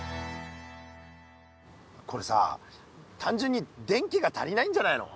これさあたんじゅんに電気が足りないんじゃないの？